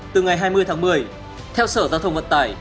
từ ngày hai mươi tháng một mươi theo sở giao thông vận tải